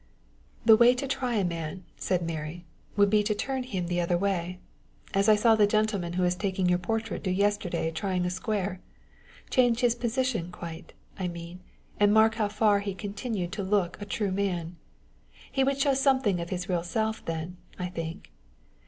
"The way to try a man," said Mary, "would be to turn him the other way, as I saw the gentleman who is taking your portrait do yesterday trying a square change his position quite, I mean, and mark how far he continued to look a true man. He would show something of his real self then, I think.